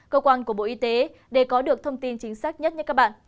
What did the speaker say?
cơ quan của bộ y tế để có được thông tin chính xác nhất với các bạn